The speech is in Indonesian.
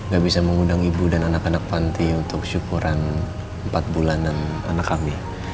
gak bisa mengundang ibu dan anak anak panti untuk syukuran empat bulanan anak kami